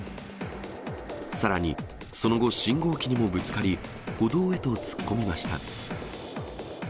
さらに、その後、信号機にもぶつかり、歩道へと突っ込みました。